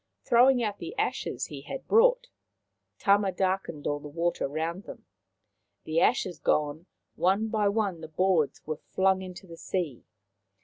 Throwing out the ashes he had brought, Tama darkened all the water round them. The ashes gone, one by one the boards were flung into the sea.